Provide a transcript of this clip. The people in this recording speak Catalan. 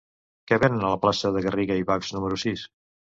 Què venen a la plaça de Garriga i Bachs número sis?